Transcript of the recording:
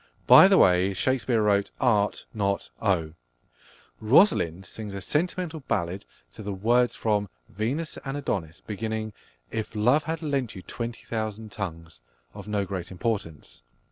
(By the way, Shakespeare wrote "Art," not "Oh.") Rosalind sings a sentimental ballad to the words from Venus and Adonis beginning "If love had lent you twenty thousand tongues," of no great importance.